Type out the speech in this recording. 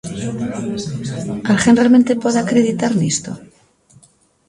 Alguén realmente pode acreditar nisto?